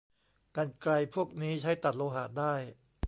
กรรไกรพวกนี้ใช้ตัดโลหะได้